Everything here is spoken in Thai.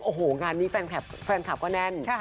โอ้โหงานนี้แฟนคลับก็แน่น